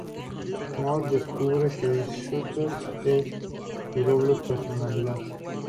Mort descubre que Shooter es su doble personalidad.